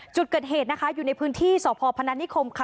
จุดเกิดเหตุนะคะอยู่ในพื้นที่สพพนัทนิคมค่ะ